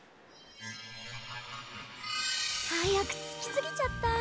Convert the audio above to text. はやくつきすぎちゃった。